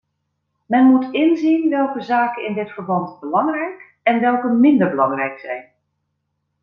Men moet inzien welke zaken in dit verband belangrijk en welke minder belangrijk zijn.